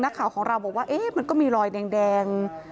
ข่าวของเราบอกว่ามันก็มีรอยแดง